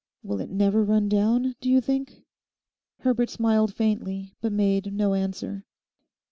Will it never run down, do you think?' Herbert smiled faintly, but made no answer.